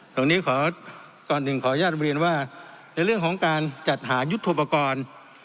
ตรงนี้ขอก่อนหนึ่งขออนุญาตเรียนว่าในเรื่องของการจัดหายุทธโปรกรณ์